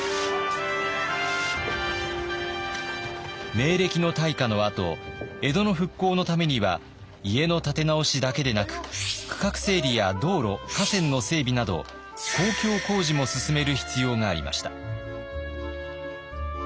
明暦の大火のあと江戸の復興のためには家の建て直しだけでなく区画整理や道路・河川の整備など公共工事も進める必要がありました。